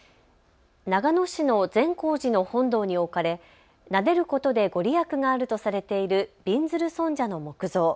長野市の善光寺の本堂に置かれ、なでることで御利益があるとされているびんずる尊者の木像。